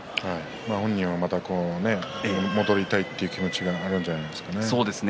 本人はまた戻りたいという気持ちがあるんじゃないですかね。